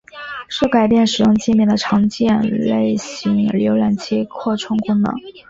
是改变使用介面的常见类型浏览器扩充功能。